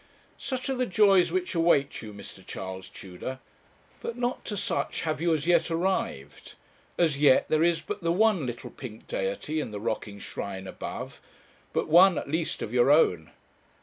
Such are the joys which await you, Mr. Charles Tudor; but not to such have you as yet arrived. As yet there is but the one little pink deity in the rocking shrine above; but one, at least, of your own.